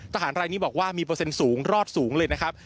ทหารรายนี้บอกว่ามีเปอร์เซ็นต์สูงรอดสูงเลยนะครับ